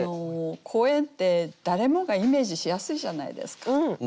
公園って誰もがイメージしやすいじゃないですか。